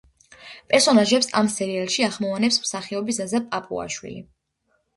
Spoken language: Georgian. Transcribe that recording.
პერსონაჟებს ამ სერიალში ახმოვანებს მსახიობი ზაზა პაპუაშვილი.